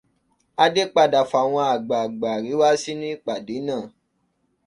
Adé padà fáwọn àgbààgbà Àríwá sínú ìpàdé náà.